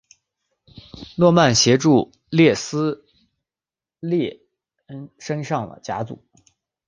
诺曼协助列斯联升上甲组。